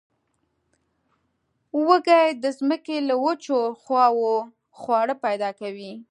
وزې د زمکې له وچو خواوو خواړه پیدا کوي